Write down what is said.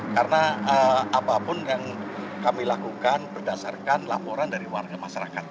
karena apapun yang kami lakukan berdasarkan laporan dari warga masyarakat